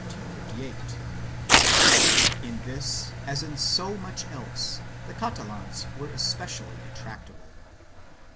2 In this, as in so much else, the Catalans were especially in tractable.